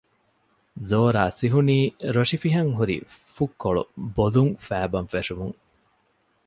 ޒޯރާ ސިހުނީ ރޮށިފިހަން ހުރި ފުށްކޮޅު ބޮލުން ފައިބަން ފެށުމުން